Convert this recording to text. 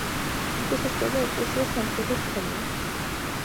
შესასვლელი ეკლესიას სამხრეთით ჰქონია.